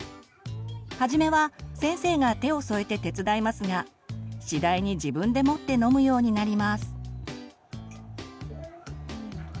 初めは先生が手を添えて手伝いますが次第に自分でもって飲むようになります。